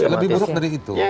lebih buruk dari itu